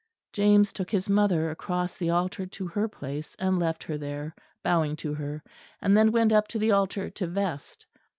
James took his mother across the altar to her place, and left her there, bowing to her; and then went up to the altar to vest.